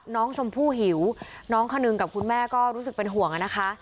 น้องชมพู่หิวน้องคนนึงกับคุณแม่ก็รู้สึกเป็นห่วงอะนะคะ